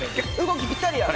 動きぴったりや！